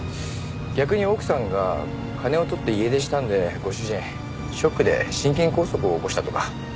逆に奥さんが金を取って家出したんでご主人ショックで心筋梗塞を起こしたとか？